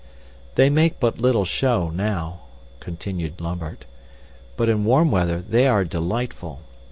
"They make but little show, now," continued Lambert, "but in warm weather they are delightful.